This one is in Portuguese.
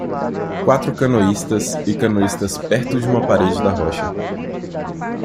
Quatro canoístas e canoístas perto de uma parede da rocha.